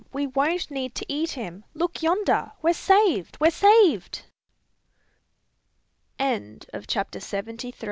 we won't need to eat him! Look yonder! We're saved! we're saved!" CHAPTER SEVENTY FOUR.